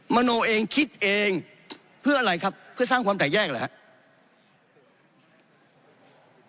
มโนเองคิดเองเพื่ออะไรครับเพื่อสร้างความแตกแยกหรือครับ